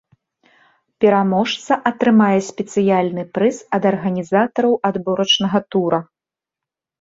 Пераможца атрымае спецыяльны прыз ад арганізатараў адборачнага тура.